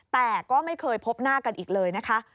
แต่ก็ไม่เคยพบหน้ากันอีกเลยนะคะ